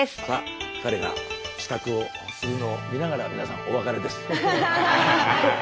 さあ彼が支度をするのを見ながら皆さんお別れです。